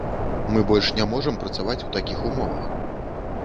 Мы больш не можам працаваць у такіх умовах!